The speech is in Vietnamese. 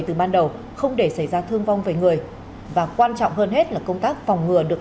từ ban đầu không để xảy ra thương vong về người và quan trọng hơn hết là công tác phòng ngừa được